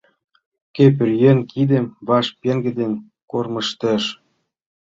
Кок пӧръеҥ кидым ваш пеҥгыдын кормыжтышт.